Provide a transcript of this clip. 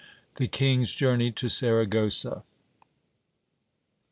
The king's journey to Saragossa.